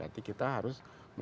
tapi kalau udah cancer